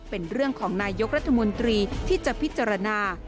เป็นเรื่องของนายกรัฐมนตรีที่จะพิจารณา